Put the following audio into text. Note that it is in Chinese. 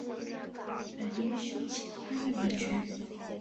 本鱼胸鳍发育完全。